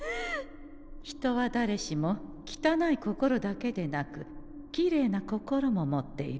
人はだれしもきたない心だけでなくきれいな心も持っている。